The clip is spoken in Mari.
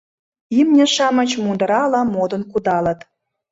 Имне-шамыч мундырала-модын кудалыт.